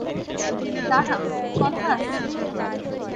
দাঁড়াও, কথা আসছে না।